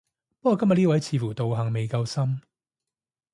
不過今日呢位似乎道行未夠深